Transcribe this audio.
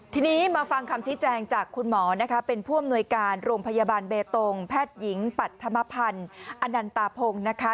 ทีนี้มาฟังคำชี้แจงจากคุณหมอนะคะเป็นผู้อำนวยการโรงพยาบาลเบตงแพทย์หญิงปัธมพันธ์อนันตาพงศ์นะคะ